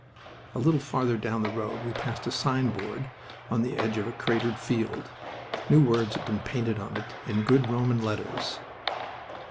A little farther down the road we passed a signboard on the edge of a cratered field. New words had been painted on it in good Roman letters.